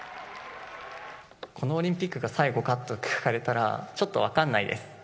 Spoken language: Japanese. このオリンピックが最後かと聞かれたら、ちょっと分かんないです。